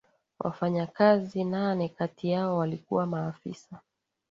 wafanyakazi nane kati yao walikuwa maafisa